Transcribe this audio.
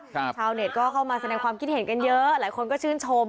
ชาวเน็ตก็เข้ามาแสดงความคิดเห็นกันเยอะหลายคนก็ชื่นชม